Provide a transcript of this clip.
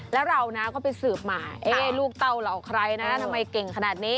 แล้วเรานะก็ไปสืบมาลูกเต้าเหล่าใครนะทำไมเก่งขนาดนี้